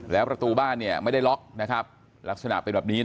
แล้วประตูบ้านไม่ได้ล็อกลักษณะเป็นแบบนี้